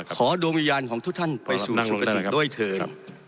ขอดวงวิญญาณของทุกท่านไปสู่สุขด้วยเถิน